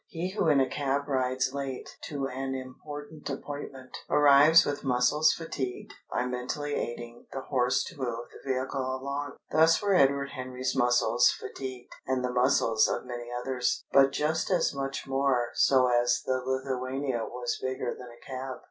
He who in a cab rides late to an important appointment arrives with muscles fatigued by mentally aiding the horse to move the vehicle along. Thus were Edward Henry's muscles fatigued, and the muscles of many others; but just as much more so as the Lithuania was bigger than a cab.